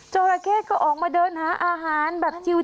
จราเข้ก็ออกมาเดินหาอาหารแบบจิล